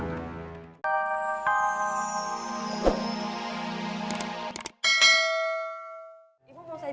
ibu mau saya bikin yang hangat